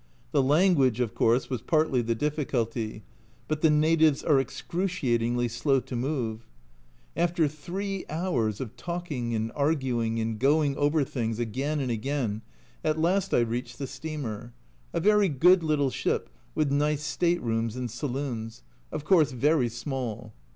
The language, of course, was partly the difficulty, but the natives are excruciatingly slow to move. After three hours of talking and arguing and going over things again and again, at last I reached the steamer a very good little ship with nice state rooms and saloons ; of course very small.